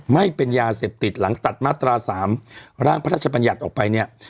ไม่เป็นยาเสพติดหลังตัดมาตรา๓ร่างพระราชบัญญัติออกไปเนี่ย